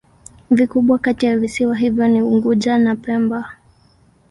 Vikubwa kati ya visiwa hivyo ni Unguja na Pemba.